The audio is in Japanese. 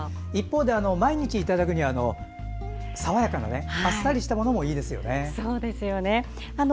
一方で毎日いただくには爽やかな、あっさりしたものもいいですよね。